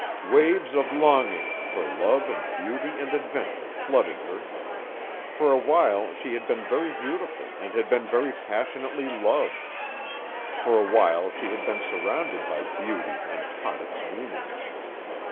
Waves of longing for love and beauty and adventure flooded her. For a while she had been very beautiful and had been very passionately loved; for a while she had been surrounded by beauty and taught its meanings.